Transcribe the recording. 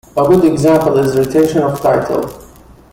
A good example is retention of title.